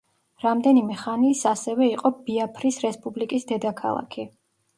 რამდენიმე ხანი ის ასევე იყო ბიაფრის რესპუბლიკის დედაქალაქი.